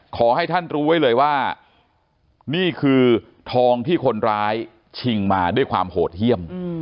ขอให้ท่านรู้ไว้เลยว่านี่คือทองที่คนร้ายชิงมาด้วยความโหดเยี่ยม